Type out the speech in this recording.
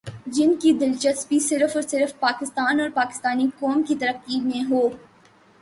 جن کی دلچسپی صرف اور صرف پاکستان اور پاکستانی قوم کی ترقی میں ہو ۔